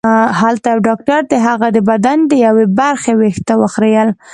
هلته یو ډاکټر د هغه د بدن د یوې برخې وېښته وخریل